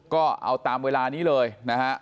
ก็เอาตามเวลานี้เลยนะฮะ